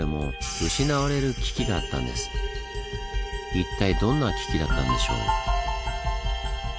一体どんな危機だったんでしょう？